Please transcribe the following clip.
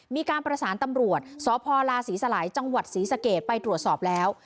มีการประสานตำรวจสพลาศรีสลายจังหวัดศรีสะเกดไปตรวจสอบแล้ว